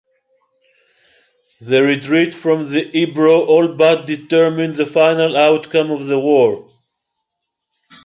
The retreat from the Ebro all but determined the final outcome of the war.